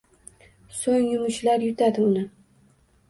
So‘ng yumushlar yutadi uni